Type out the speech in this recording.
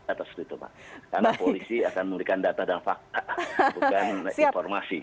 karena polisi akan memberikan data dan fakta bukan informasi